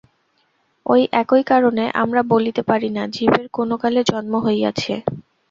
ঐ একই কারণে আমরা বলিতে পারি না, জীবের কোনকালে জন্ম হইয়াছে।